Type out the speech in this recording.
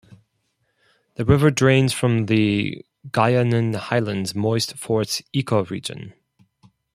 The river drains the Guayanan Highlands moist forests ecoregion.